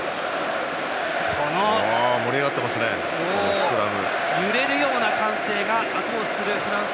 盛り上がっていますねスクラム。